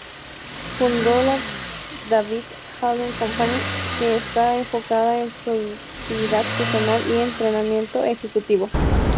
Fundó la David Allen Company, que está enfocada en productividad personal y entrenamiento ejecutivo.